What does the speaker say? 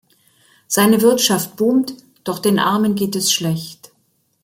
Seine Wirtschaft boomt, doch den Armen geht es schlecht.